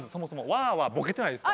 「わー」はボケてないですから。